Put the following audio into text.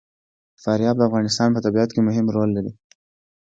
فاریاب د افغانستان په طبیعت کې مهم رول لري.